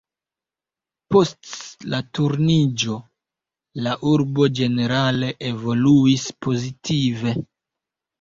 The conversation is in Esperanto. Post la Turniĝo la urbo ĝenerale evoluis pozitive.